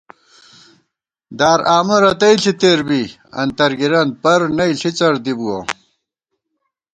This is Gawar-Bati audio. دار آمہ رتئی ݪی تېر بی انتَر گِرَن پر نئ ݪِڅر دِبُوَہ